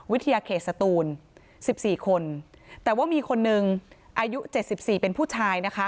เขตสตูน๑๔คนแต่ว่ามีคนนึงอายุ๗๔เป็นผู้ชายนะคะ